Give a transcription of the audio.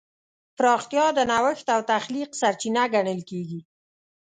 پراختیا د نوښت او تخلیق سرچینه ګڼل کېږي.